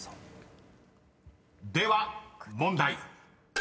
［では問題］